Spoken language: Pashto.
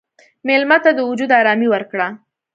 مېلمه ته د وجود ارامي ورکړه.